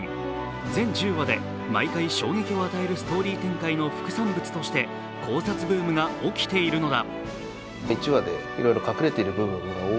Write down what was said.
全１０話で毎回衝撃を与えるストーリー展開の副産物として考察ブームが起きているのだ。